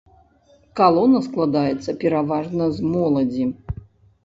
Калона складаецца пераважна з моладзі.